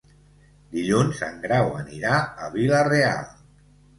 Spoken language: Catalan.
Dilluns en Grau anirà a Vila-real.